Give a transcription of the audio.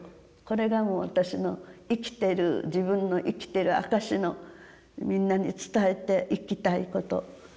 これがもう私の自分の生きてる証しのみんなに伝えていきたいことですね。